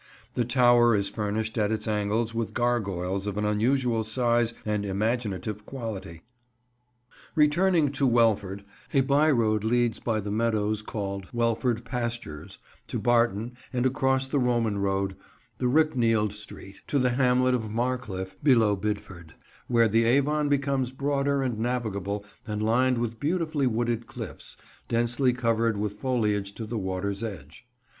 The tower is furnished at its angles with gargoyles of an unusual size and imaginative quality. Returning to Welford, a by road leads by the meadows called "Welford Pastures" to Barton, and across the Roman road, the Ryknield Street, to the hamlet of Marlcliff, below Bidford, where the Avon becomes broader and navigable and lined with beautifully wooded cliffs, densely covered with foliage to the water's edge.